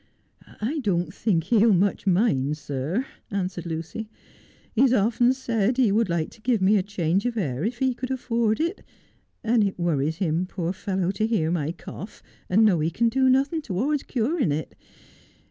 ' I don't think he'll much mind, sir/ answered Lucy. ' He has often said he would like to give me a change of air if he could afford it, and it worries him, poor fellow, to hear my cough, and to know he can do nothing towards curing it.